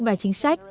và chính sách